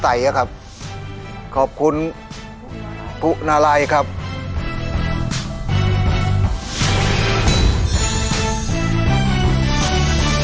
ที่๓ซึ่งเป็นคำตอบที่